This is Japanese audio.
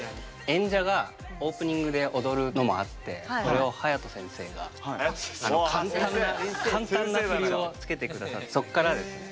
演者がオープニングで踊るのもあってそれをＨＡＹＡＴＯ先生が簡単な簡単な振りをつけて下さってそっからですね。